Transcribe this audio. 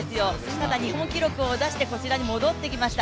ただ日本記録を出してこちらに戻ってきました。